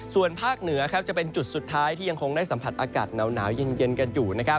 ส่วนภาคเหนือจะเป็นจุดสุดท้ายที่ยังคงได้สัมผัสอากาศหนาวเย็นกันอยู่